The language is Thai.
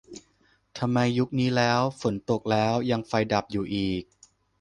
"ทำไมยุคนี้แล้ว ฝนตกแล้วยังไฟดับอยู่อีก"